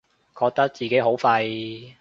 覺得自己好廢